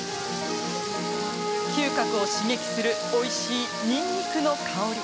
嗅覚を刺激するおいしい、にんにくの香り。